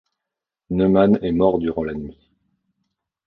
Neumann est mort durant la nuit.